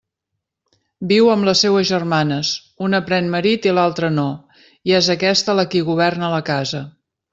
Viu amb les seues germanes, una pren marit i l'altra no; i és aquesta la qui li governa la casa.